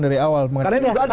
dari awal karena ini juga ada